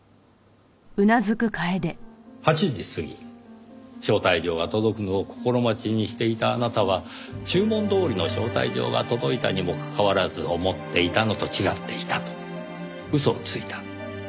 ８時過ぎ招待状が届くのを心待ちにしていたあなたは注文どおりの招待状が届いたにもかかわらず思っていたのと違っていたと嘘をついた。